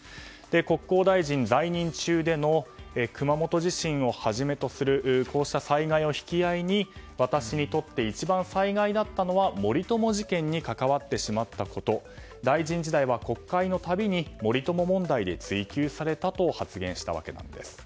国交大臣在任中での熊本地震をはじめとするこうした災害を引き合いに私にとって一番災害だったのは森友事件に関わってしまったこと大臣時代は国会のたびに森友問題で追及されたと発言したわけなんです。